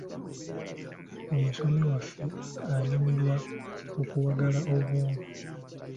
Omusomi waffe anyumirwa okuwagala obwongo.